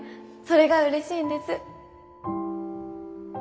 それがうれしいんです。